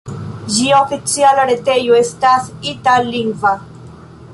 Ĝia oficiala retejo estas itallingva.